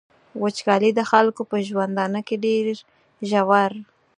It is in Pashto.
وچکالي د خلکو په ژوندانه کي ډیر ژور.